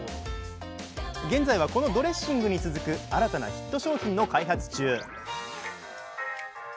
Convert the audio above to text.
現在はこのドレッシングに続く新たなヒット商品の開発中